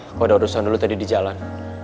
kalau ada urusan dulu tadi di jalan